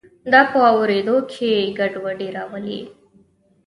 دا په اوریدو کې ګډوډي راولي.